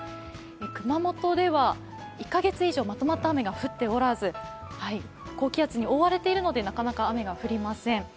熊本では１カ月以上、まとまった雨が降っておらず高気圧に覆われているのでなかなか雨が降りません。